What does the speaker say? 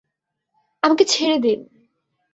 আমাকে ছেড়ে দিন।